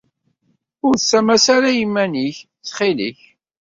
Ur ssamas ara i yiman-ik, ttxil-k.